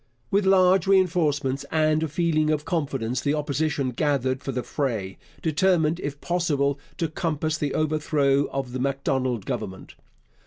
With large reinforcements and a feeling of confidence, the Opposition gathered for the fray, determined, if possible, to compass the overthrow of the Macdonald Government.